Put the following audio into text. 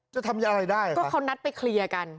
จะทำอะไรได้อ่ะก็เขานัดไปเคลียร์กัน